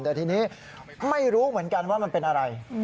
แต่ทีนี้ไม่รู้เหมือนกันว่ามันเป็นอะไร